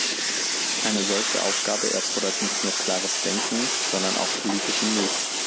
Eine solche Aufgabe erfordert nicht nur klares Denken, sondern auch politischen Mut.